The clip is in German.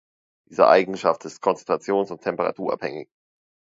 Diese Eigenschaft ist konzentrations- und temperaturabhängig.